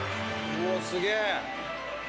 うわっすげえ。